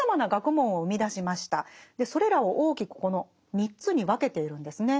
それらを大きくこの３つに分けているんですね。